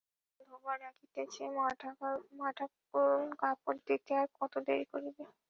তখন ধোবা ডাকিতেছে, মাঠাকরুন, কাপড় দিতে আর কত দেরি করিবে।